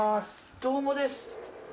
どうもです。